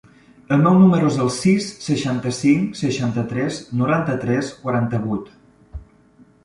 El meu número es el sis, seixanta-cinc, seixanta-tres, noranta-tres, quaranta-vuit.